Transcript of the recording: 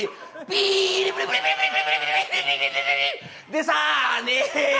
でさぁね。